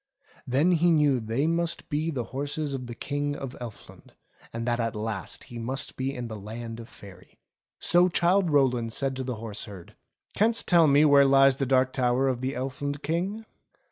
Then he knew they must be the horses of the King of Elfland, and that at last he must be in the Land of Faery. So Childe Rowland said to the horse herd, "Canst tell me where lies the Dark Tower of the Elfland King